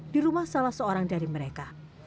di rumah salah seorang dari mereka